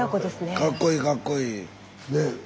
かっこいいかっこいい。